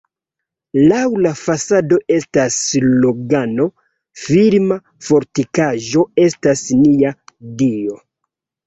Laŭ la fasado estas slogano: "Firma fortikaĵo estas nia Dio".